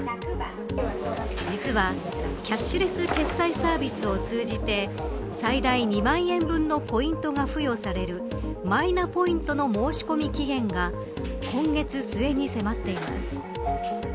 実は、キャッシュレス決済サービスを通じて最大２万円分のポイントが付与されるマイナポイントの申し込み期限が今月末に迫っています。